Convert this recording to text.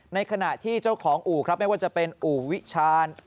ในขณะที่เจ้าของอู่ครับไม่ว่าจะเป็นอู่วิชาญ